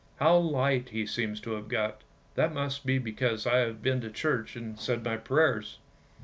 " How light he seems to have got; that must be because I have been to church and said my prayers!